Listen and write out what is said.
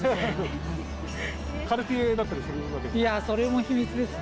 それは秘密ですね。